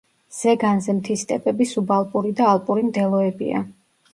ზეგანზე მთის სტეპები, სუბალპური და ალპური მდელოებია.